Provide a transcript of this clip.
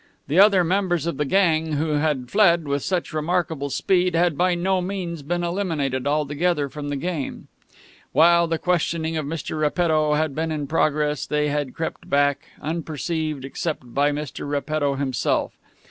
The other members of the gang, who had fled with such remarkable speed, had by no means been eliminated altogether from the game. While the questioning of Mr. Repetto had been in progress, they had crept back, unperceived except by Mr. Repetto himself.